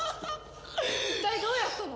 一体どうやったの？